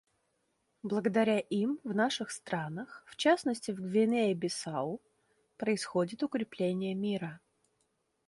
Благодаря им в наших странах, в частности в Гвинее-Бисау, происходит укрепление мира.